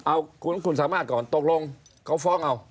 เอาคุณสามารถก่อนตกลงเขาฟ้องเอา